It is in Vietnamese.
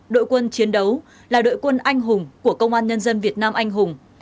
đội quân chiến đấu là đội quân anh hùng của công an nhân dân việt nam anh hùng